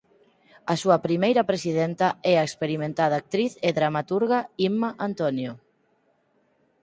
A súa primeira presidenta é a experimentada actriz e dramaturga Inma António.